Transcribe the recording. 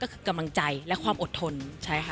ก็คือกำลังใจและความอดทนใช่ค่ะ